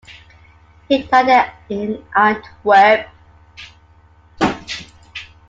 He died in Antwerp.